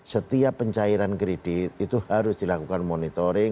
setiap pencairan kredit itu harus dilakukan monitoring